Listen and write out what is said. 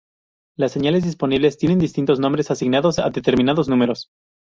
Las señales disponibles tienen distintos nombres, asignados a determinados números.